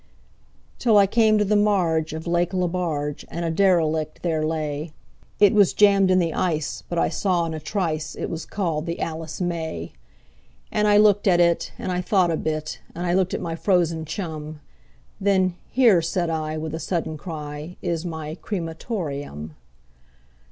Till I came to the marge of Lake Lebarge, and a derelict there lay; It was jammed in the ice, but I saw in a trice it was called the "Alice May". And I looked at it, and I thought a bit, and I looked at my frozen chum; Then "Here", said I, with a sudden cry, "is my cre ma tor eum."